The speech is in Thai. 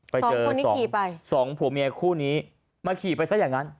ไปเจอสองผัวเมียคู่นี้มาขี่ไปซะอย่างนั้น